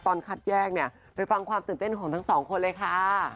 ตอนคัดแยกเนี่ยไปฟังความตื่นเต้นของทั้งสองคนเลยค่ะ